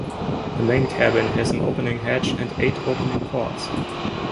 The main cabin has an opening hatch and eight opening ports.